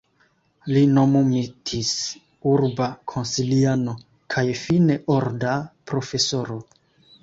Li nomumitis urba konsiliano kaj fine orda profesoro.